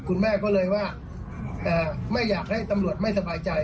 คุณแม่ก็เลยว่าไม่อยากให้ตำรวจไม่สบายใจ